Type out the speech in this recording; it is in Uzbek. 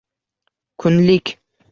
Kunlik